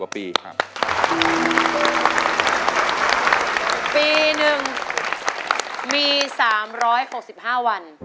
ปี๑มี๓๖๕วัน